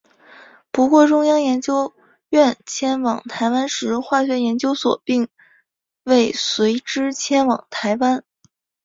不过中央研究院迁往台湾时化学研究所并未随之迁往台湾。